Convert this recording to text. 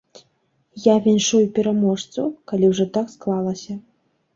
Я віншую пераможцу, калі ўжо так склалася.